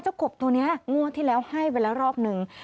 เจ้าขบตัวเนี้ยงวดที่แล้วให้แล้วรอบหนึ่ง